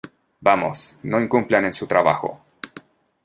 Vamos. No incumplan en su trabajo .